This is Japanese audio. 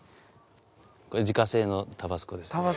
これ自家製のタバスコです。